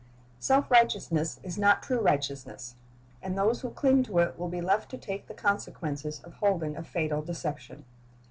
Self righteousness is not true righteousness, and those who cling to it will be left to take the consequences of holding a fatal deception.